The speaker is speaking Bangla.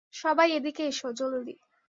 সবাই এদিকে এসো জলদি।